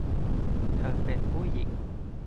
เธอเป็นผู้หญิง